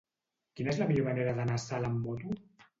Quina és la millor manera d'anar a Salt amb moto?